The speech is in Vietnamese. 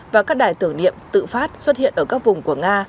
và các đài tưởng niệm tự phát xuất hiện ở các vùng của nga